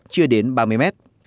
chưa đến ba mươi mét